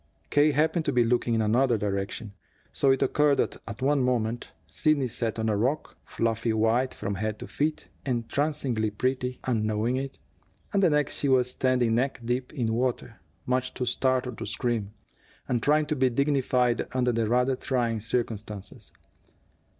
K. happened to be looking in another direction. So it occurred that at one moment, Sidney sat on a rock, fluffy white from head to feet, entrancingly pretty, and knowing it, and the next she was standing neck deep in water, much too startled to scream, and trying to be dignified under the rather trying circumstances.